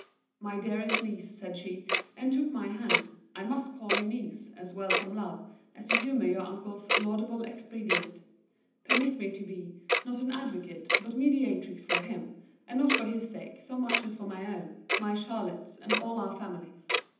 My dearest niece, said she, and took my hand, (I must call you niece, as well from love, as to humour your uncle's laudable expedient,) permit me to be, not an advocate, but a mediatrix for him; and not for his sake, so much as for my own, my Charlotte's, and all our family's.